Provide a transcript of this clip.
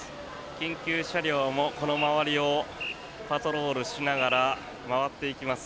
緊急車両もこの周りをパトロールしながら回っていきます。